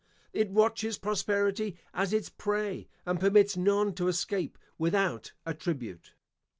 It watches prosperity as its prey, and permits none to escape without a tribute.